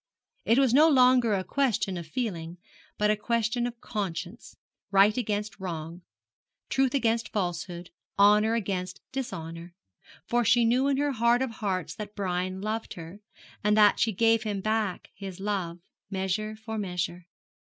It was no longer a question of feeling, but a question of conscience right against wrong, truth against falsehood, honour against dishonour; for she knew in her heart of hearts that Brian loved her, and that she gave him back his love, measure for measure.